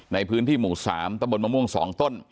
ในพื้นที่หมู่๓ตะบนมะม่วง๒ต้น